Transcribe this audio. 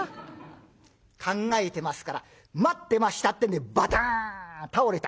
考えてますから待ってましたってんでバタン倒れた。